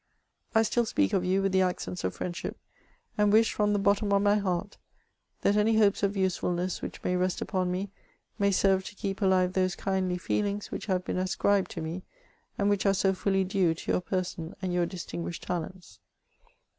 '^ I still speak of you with the accents of friendship, and wish, from the bottom of my heart, that any hopes of useful ness which may rest upon me may serve to keep alive those kindly feelings which have been ascribed to me, and which are so fully due to your person and your distinguished talents.